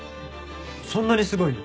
そんなにすごいの？